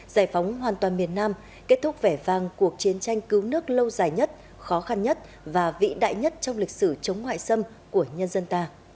giải phóng hoàn toàn miền nam kết thúc vẻ vàng cuộc chiến tranh cứu nước lâu dài nhất khó khăn nhất và vĩ đại nhất trong lịch sử chống ngoại xâm của nhân dân ta